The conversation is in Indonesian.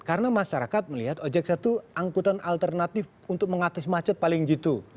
karena masyarakat melihat ojek satu angkutan alternatif untuk mengatasi macet paling gitu